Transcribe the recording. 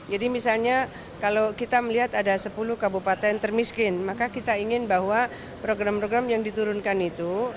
jadi misalnya kalau kita melihat ada sepuluh kabupaten termiskin maka kita ingin bahwa program program yang diturunkan itu